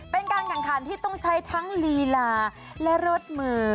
เป็นการแข่งขันที่ต้องใช้ทั้งลีลาและรสมือ